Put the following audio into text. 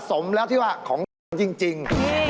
สมแล้วที่ว่าของขวัญจริง